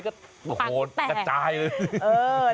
เข้าลงไปกระจายเลย